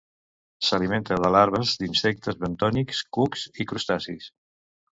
S'alimenta de larves d'insectes bentònics, cucs i crustacis.